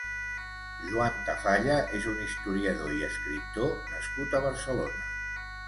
Joan Tafalla és un historiador i escriptor nascut a Barcelona.